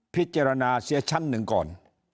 พิจารณาเสียชั้นหนึ่งก่อน